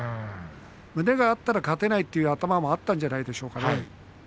胸が合ったら勝てないという考えがあったんじゃないですか